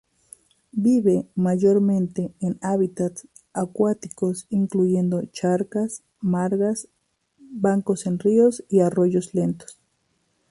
Vive mayormente en hábitats acuáticos, incluyendo charcas, margas, bancos en ríos y arroyos lentos.